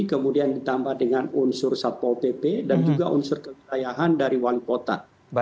kemudian ditambah dengan unsur satpol pp dan juga unsur kekayaan dari wali kota